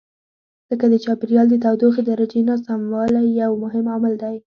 لکه د چاپېریال د تودوخې درجې ناسموالی یو مهم عامل دی.